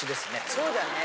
そうだね。